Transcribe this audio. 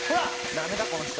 ダメだこの人。